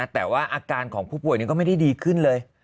แต่ว่าอาการของผู้ป่วยก็ไม่ได้ดีขึ้นเลย